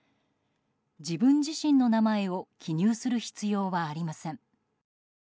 自分自身の名前を記入する必要はありません。